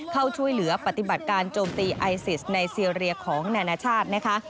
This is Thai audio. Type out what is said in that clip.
เข้าช่วยเหลือปฏิบัติการโจมตีไอซิสในซีเรียของนานาชาตินะคะ